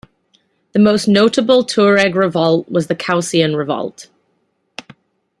The most notable Tuareg revolt was the Kaocen Revolt.